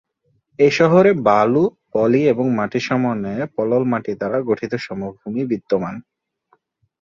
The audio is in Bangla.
এ শহরে বালু, পলি এবং মাটির সমন্বয়ে পলল মাটি দ্বারা গঠিত সমভূমি বিদ্যমান।